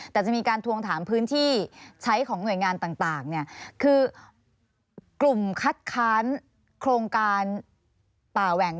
แต่จะมีการทวงถามพื้นที่ใช้ของหน่วยงานต่างเนี่ยคือกลุ่มคัดค้านโครงการป่าแหว่ง